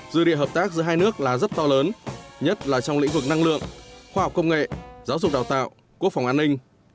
dư địa hợp tác giữa hai nước là rất to lớn nhất là trong lĩnh vực năng lượng khoa học công nghệ giáo dục đào tạo quốc phòng an ninh